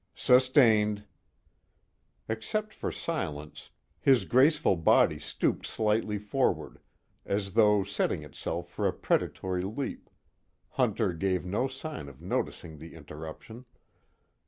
"Sustained." Except for silence, his graceful body stooped slightly forward as though setting itself for a predatory leap, Hunter gave no sign of noticing the interruption.